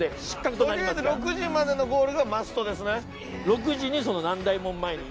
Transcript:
とりあえず６時までのゴールがマストですね。